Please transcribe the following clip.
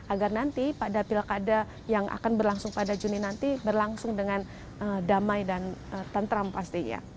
agar nanti pada pilkada yang akan berlangsung pada juni nanti berlangsung dengan damai dan tentram pastinya